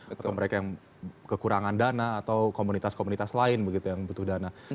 atau mereka yang kekurangan dana atau komunitas komunitas lain begitu yang butuh dana